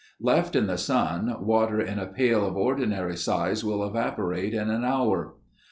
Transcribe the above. Left in the sun, water in a pail of ordinary size will evaporate in an hour.